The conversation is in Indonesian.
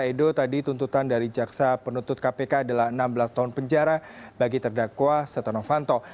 edo tadi tuntutan dari jaksa penuntut kpk adalah enam belas tahun penjara bagi terdakwa setonofanto